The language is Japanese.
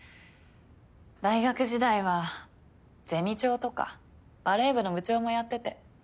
大学時代はゼミ長とかバレー部の部長もやってて。